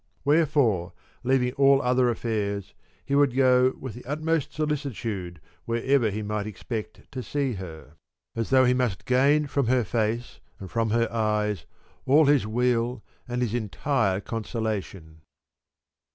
Wherefore leaving all other affairs, he would go with the utmost solicitude wherever he might expect to see her, as though he must gain from her face and from her eyes all his weal and his entire consolation.